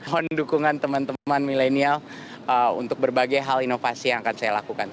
mohon dukungan teman teman milenial untuk berbagai hal inovasi yang akan saya lakukan